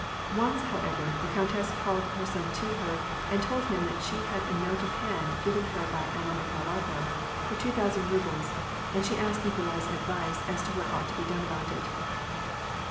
Once, however, the countess called her son to her, and told him that she had a note of hand given her by Anna Mikhailovna, for two thousand rubles, and she asked Nikolai's advice as to what ought to be done about it.